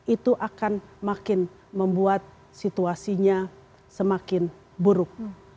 itu akan makin membuat situasinya semakin buruk